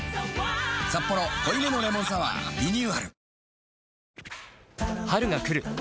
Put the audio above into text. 「サッポロ濃いめのレモンサワー」リニューアル